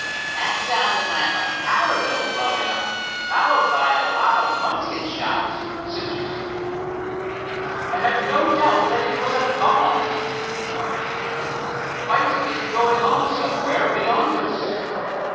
"That sounded like a powder mill blowing up, followed by a lot of musket shots," suggested Hiram. "I have no doubt that it was a bomb," replied Dave. "Fighting is going on somewhere beyond us."